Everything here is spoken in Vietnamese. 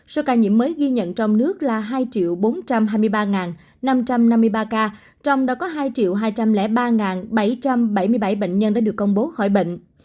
số ca nhiễm mới ghi nhận trong nước là hai bốn trăm hai mươi ba năm trăm năm mươi ba ca trong đó có hai hai trăm linh ba bảy trăm bảy mươi bảy bệnh nhân đã được công bố khỏi bệnh